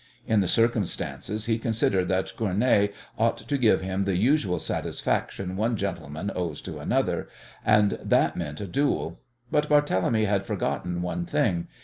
In the circumstances he considered that Cournet ought to give him the "usual satisfaction one gentleman owes to another," and that meant a duel. But Barthélemy had forgotten one thing.